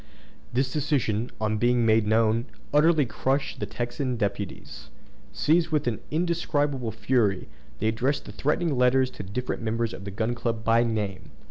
This decision, on being made known, utterly crushed the Texan deputies. Seized with an indescribable fury, they addressed threatening letters to the different members of the Gun Club by name.